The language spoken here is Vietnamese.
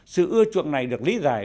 sự ưa chuộng này được lý giải